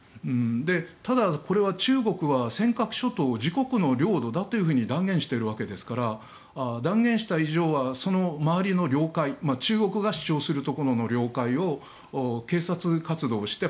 ただ、これは中国は尖閣諸島を自国の領土だと断言しているわけですから断言している以上はその周りの領海中国が主張するところの領海を警察活動して